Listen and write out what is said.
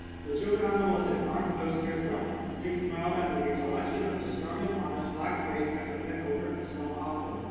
But Juliana was an armed host herself, and Dick smiled at the recollection of the strong and honest black face that had bent over him so often.